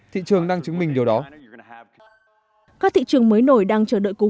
thị trường đang chứng minh điều đó